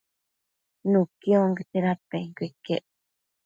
nuqui onquete dadpenquio iquec